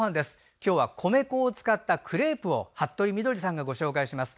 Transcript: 今日は米粉を使ったクレープを服部みどりさんがご紹介します。